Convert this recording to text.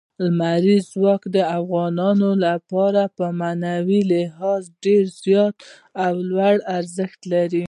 لمریز ځواک د افغانانو لپاره په معنوي لحاظ ډېر زیات او لوی ارزښت لري.